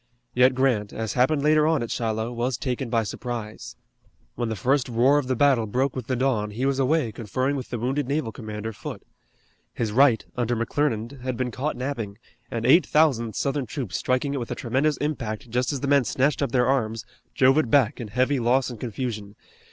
Yet Grant, as happened later on at Shiloh, was taken by surprise. When the first roar of the battle broke with the dawn he was away conferring with the wounded naval commander, Foote. His right, under McClernand, had been caught napping, and eight thousand Southern troops striking it with a tremendous impact just as the men snatched up their arms, drove it back in heavy loss and confusion.